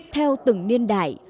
theo từng niên đại